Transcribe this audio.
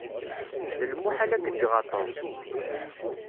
D lmuḥal ad k-ǧǧeɣ a Tom.